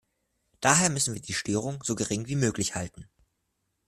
Daher müssen wir die Störung so gering wie möglich halten.